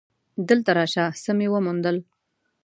دلته راشه څه مې وموندل.